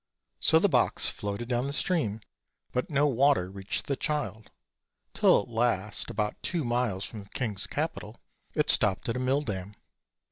So the box floated down the stream, but no water reached the child; till at last, about two miles from the king's capital, it stopped at a mill dam.